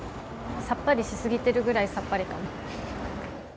さっぱりしすぎてるぐらいさっぱりかな。